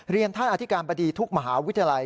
เรียนท่านอธิการบดีทุกมหาวิทยาลัย